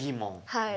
はい。